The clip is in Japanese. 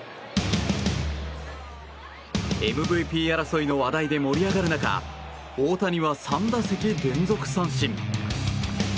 ＭＶＰ争いの話題で盛り上がる中大谷は３打席連続三振。